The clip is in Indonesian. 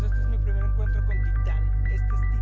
ini adalah pertemuan pertama saya dengan titan